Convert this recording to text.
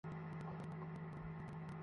এমনটা আর হবে না।